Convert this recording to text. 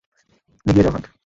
এগিয়ে যাও, হাল্ক!